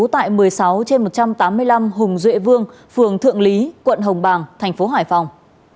tại một mươi sáu trên một trăm tám mươi năm hùng duệ vương phường thượng lý quận hồng bàng thành phố hải phòng